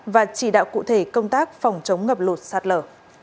và chỉ đạo cụ thể công tác phòng chống ngập lụt sạt lở